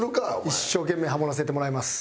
一生懸命ハモらせてもらいます。